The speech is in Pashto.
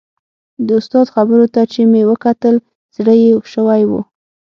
د استاد خبرو ته چې مې وکتل زړه یې شوی و.